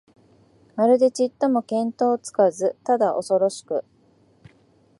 まるでちっとも見当つかず、ただおそろしく、